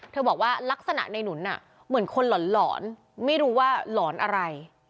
บอกว่าลักษณะในหนุนเหมือนคนหลอนไม่รู้ว่าหลอนอะไร